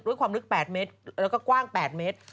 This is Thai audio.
ความลึก๘เมตรแล้วก็กว้าง๘เมตร